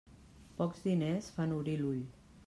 Pocs diners fan obrir l'ull.